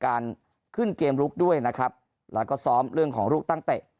การขึ้นเกมลุกด้วยนะครับแล้วก็ซ้อมเรื่องของลูกตั้งเตะ